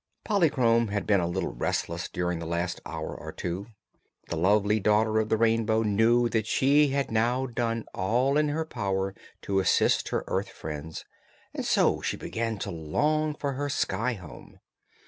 Polychrome had been a little restless during the last hour or two. The lovely Daughter of the Rainbow knew that she had now done all in her power to assist her earth friends, and so she began to long for her sky home.